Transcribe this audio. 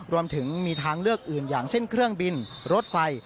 รวมถึงมีทางเลือกอื่นอย่างเช่นเครื่องบินรถไฟ